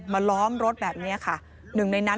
ล้อมรถแบบนี้ค่ะหนึ่งในนั้น